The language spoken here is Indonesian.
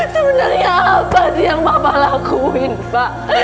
sebenarnya apa nih yang bapak lakuin pak